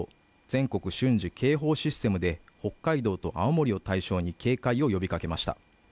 全国瞬時警報システムで北海道と青森を対象に警戒を呼びかけました